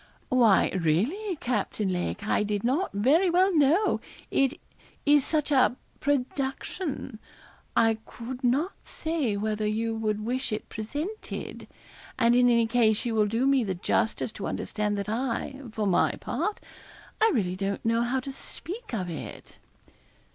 'Why, really, Captain Lake, I did not very well know, it is such a production I could not say whether you would wish it presented; and in any case you will do me the justice to understand that I, for my part I really don't know how to speak of it.